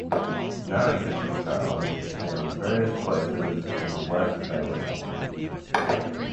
Now it can found in various places in West Bengal.